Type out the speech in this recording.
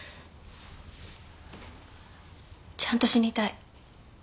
ちゃんと死にたい。